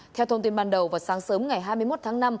theo thông tin ban đầu vào sáng sớm ngày hai mươi một tháng năm